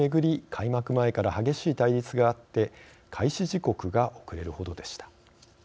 開幕前から激しい対立があって開始時刻が遅れるほどでした。